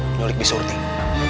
menyulik bisa urting